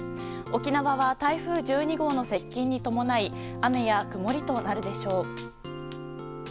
沖縄は台風１２号の接近に伴い雨や曇りとなるでしょう。